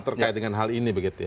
terkait dengan hal ini